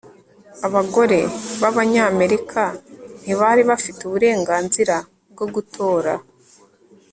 Abagore bAbanyamerika ntibari bafite uburenganzira bwo gutora